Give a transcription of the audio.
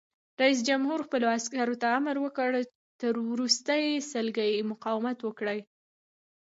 رئیس جمهور خپلو عسکرو ته امر وکړ؛ تر وروستۍ سلګۍ مقاومت وکړئ!